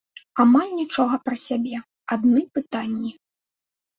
Амаль нічога пра сябе, адны пытанні.